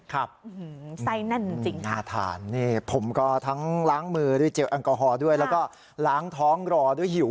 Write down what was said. ครับหน้าทานเนี่ยผมก็ทั้งล้างมือด้วยเจลอังกฮอล์ด้วยแล้วก็ล้างท้องรอด้วยหิว